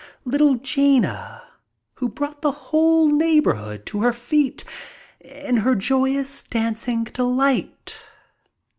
Little Gina, who brought the whole neighborhood to her feet in her joyous dancing delight.